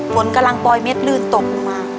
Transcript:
ฝนกำลังปล่อยเม็ดลื่นตกลงมา